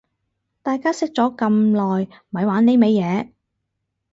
大家識咗咁耐咪玩呢味嘢